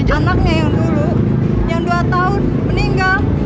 anaknya yang dulu yang dua tahun meninggal